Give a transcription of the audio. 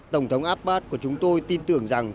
tổng thống abbas của chúng tôi tin tưởng rằng